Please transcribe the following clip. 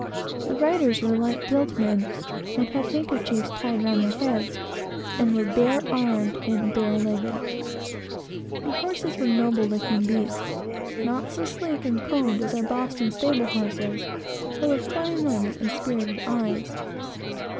The riders were light built men; had handkerchiefs tied round their heads; and were bare armed and bare legged. The horses were noble looking beasts, not so sleek and combed as our Boston stable horses, but with fine limbs, and spirited eyes.